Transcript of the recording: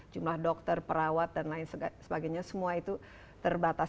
jumlah dokter perawat dan lain sebagainya semua itu terbatas